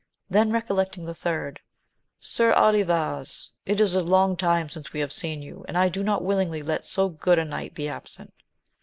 Then recollecting the third, — Sir Olivas ! it is long since we have seen you, and I do not willingly let so good a knight be absent.